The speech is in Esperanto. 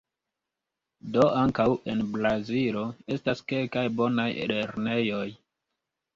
Do ankaŭ en Brazilo estas kelkaj bonaj lernejoj.